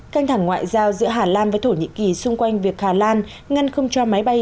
căng thẳng ngoại giao giữa hà lan với thổ nhĩ kỳ xung quanh việc hà lan ngăn không cho máy bay